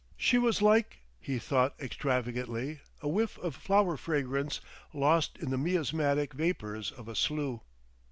She was like (he thought extravagantly) a whiff of flower fragrance lost in the miasmatic vapors of a slough.